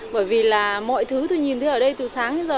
bởi vì là mọi thứ tôi nhìn thấy ở đây từ sáng đến giờ